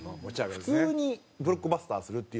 普通にブロックバスターするっていう。